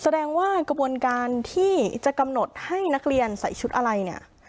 แสดงว่ากระบวนการที่จะกำหนดให้นักเรียนใส่ชุดอะไรเนี่ย